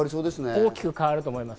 大きく変わると思います。